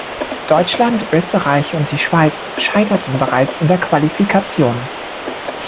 Deutschland, Österreich und die Schweiz scheiterten bereits in der Qualifikation.